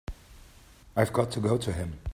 I've got to go to him.